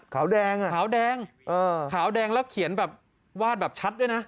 ขาวแดงอ่ะขาวแดงขาวแดงแล้วเขียนแบบวาดแบบชัดด้วยนะ